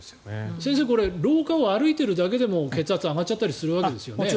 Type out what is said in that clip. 先生廊下を歩いているだけでも血圧が上がっちゃったりするわけですよね。